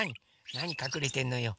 なにかくれてんのよ。